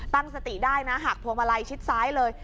ตั้งสติได้นะหักพวงมาลัยชิดซ้ายเลย